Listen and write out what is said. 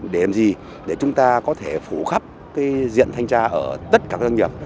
đềm gì để chúng ta có thể phủ khắp cái diện thanh tra ở tất cả các doanh nghiệp